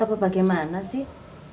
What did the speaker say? apa bagaimana sih